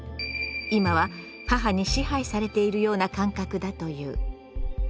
今は母に支配されているような感覚だという。